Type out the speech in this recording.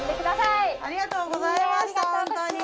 ありがとうございました本当に。